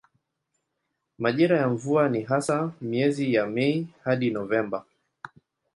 Majira ya mvua ni hasa miezi ya Mei hadi Novemba.